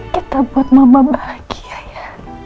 kita buat mama bahagia ya